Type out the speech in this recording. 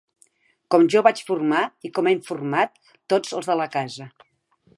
Com jo vaig formar i com hem format tots els de la casa